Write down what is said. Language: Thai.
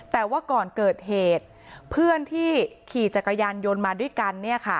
แต่ว่าก่อนเกิดเหตุเพื่อนที่ขี่จักรยานยนต์มาด้วยกัน